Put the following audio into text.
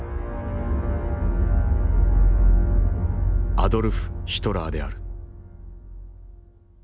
アドルフ・ヒトラーである。